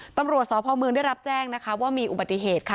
ตำรวจสพเมืองได้รับแจ้งนะคะว่ามีอุบัติเหตุค่ะ